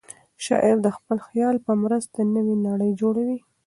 شاعر د خپل خیال په مرسته نوې نړۍ جوړوي.